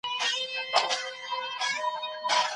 ای ړوند ډاکټره، په دې ګڼ ځای کي اوږده کیسه مه کوه.